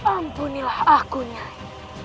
ampunilah aku nyai